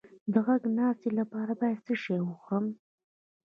د غږ د ناستې لپاره باید څه شی وخورم؟